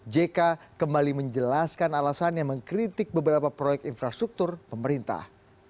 jk kembali menjelaskan alasannya mengkritik beberapa proyek infrastruktur pemerintah